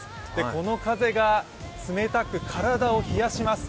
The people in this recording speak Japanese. この風が冷たく、体を冷やします。